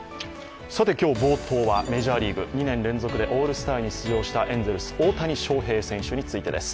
今日、冒頭はメジャーリーグ、２年連続でオールスターに出場したエンゼルス・大谷翔平選手についてです。